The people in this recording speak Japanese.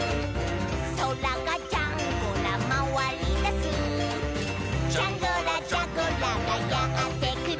「そらがジャンゴラまわりだす」「ジャンゴラ・ジャゴラがやってくる」